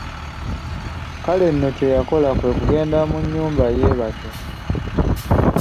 Kale nno kye yakola kwe kugenda mu nnyumba yeebake.